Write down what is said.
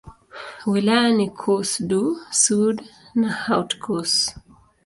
Wilaya ni Corse-du-Sud na Haute-Corse.